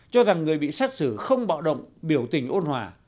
cho rằng người bị xét xử không bạo động biểu tình ôn hòa